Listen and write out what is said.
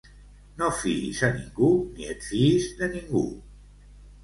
No fiïs a ningú ni et fiïs de ningú.